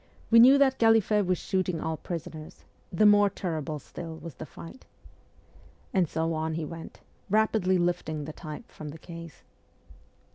We knew that Galliffet was shooting all prisoners the more terrible still was the fight,' and so on he went, rapidly lifting the type from the case.